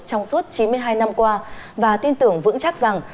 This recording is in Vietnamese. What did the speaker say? trong suốt chín mươi hai năm qua và tin tưởng vững chắc rằng